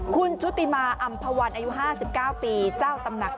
คุณชุติมาอำภาวันอายุ๕๙ปีเจ้าตำหนัก